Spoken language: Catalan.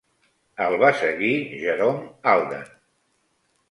El va seguir Jerome Alden.